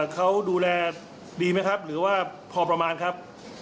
เขาดูแลดีไหมครับหรือว่าพอประมาณครับ